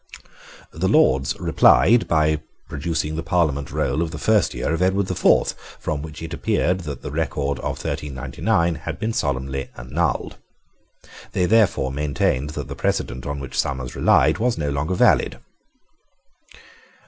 The Lords replied by producing the Parliament roll of the first year of Edward the Fourth, from which it appeared that the record of 1399 had been solemnly annulled. They therefore maintained that the precedent on which Somers relied was no longer valid.